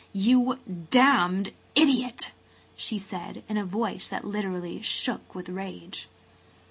"You d–d idiot! " she said, in a voice that literally shook with rage.